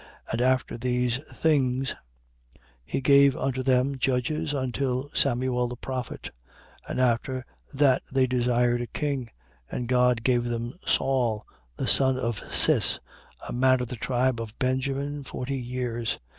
And after these things, he gave unto them judges, until Samuel the prophet. 13:21. And after that they desired a king: and God gave them Saul the son of Cis, a man of the tribe of Benjamin, forty years.